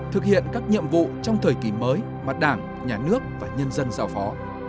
thực hiện các nhiệm vụ trong thời kỳ mới mà đảng nhà nước và nhân dân giao phó